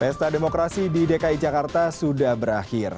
pesta demokrasi di dki jakarta sudah berakhir